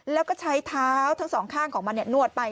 แล้วก็ใช้เท้าทั้งสองข้างของมันนวดไป